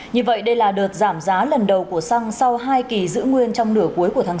như vậy đây là đợt giảm giá lần đầu của xăng sau hai kỳ giữ nguyên trong nửa cuối của tháng bốn